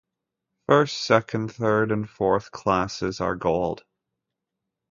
First, second, third and fourth classes are gold.